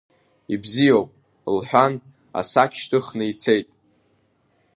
Ибзиоуп, — лҳәан, асакь шьҭыхны ицеит.